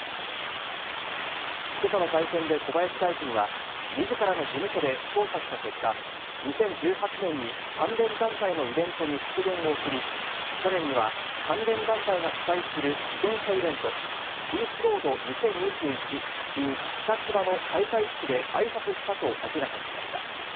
けさの会見で小林大臣は、みずからの事務所で調査した結果、２０１８年に関連団体のイベントに祝電を送り、去年には関連団体が主催する自転車イベント、ピースロード２０２１イン北千葉の開会式であいさつしたと明らかにしました。